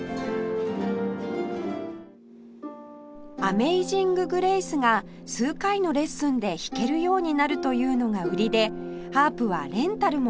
『アメイジンググレイス』が数回のレッスンで弾けるようになるというのが売りでハープはレンタルも可能